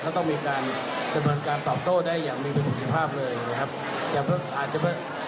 เขาต้องมีการจำนวนการตอบโต้ได้อย่างมีประสุทธิภาพเลยนะครับ